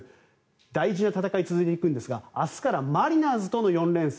大事な戦いが続いていくんですが明日からマリナーズとの４連戦。